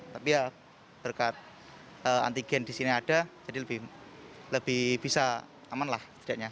tapi ya berkat antigen di sini ada jadi lebih bisa aman lah